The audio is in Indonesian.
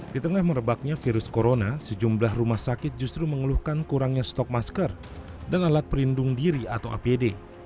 di tengah merebaknya virus corona sejumlah rumah sakit justru mengeluhkan kurangnya stok masker dan alat perlindung diri atau apd